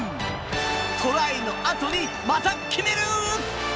トライのあとに、また決める！